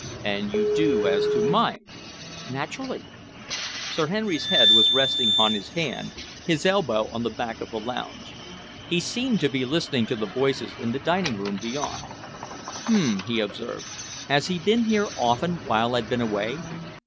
"And you do as to mine?" "Naturally." Sir Henry's head was resting on his hand, his elbow on the back of the lounge. He seemed to be listening to the voices in the dining room beyond. "Hm!" he observed. "Has he been here often while I've been away?"